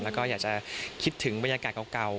แล้วก็อยากจะคิดถึงบรรยากาศเก่า